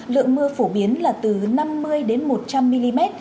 lượng mưa phổ biến là từ năm mươi đến một trăm linh mm